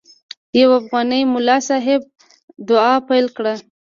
یو افغاني ملا صاحب دعا پیل کړه.